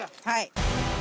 はい。